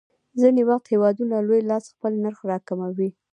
ځینې وخت هېوادونه لوی لاس خپل نرخ راکموي.